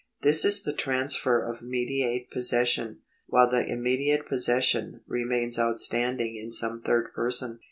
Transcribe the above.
This is the trans fer of mediate possession, while the immediate possession remains outstanding in some third person.